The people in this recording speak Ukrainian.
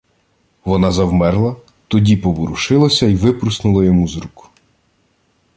Вона завмерла, тоді поворушилася й випорснула йому з рук.